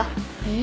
え。